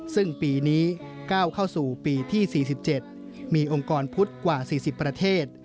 ซึ่งปีนี้ก้าวเข้าสู่ปีที่๔๗มีองค์กรพุทธกว่า๔๐ประเทศ